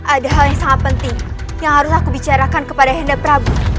ada hal yang sangat penting yang harus aku bicarakan kepada henda prabu